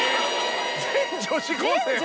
全女子高生は。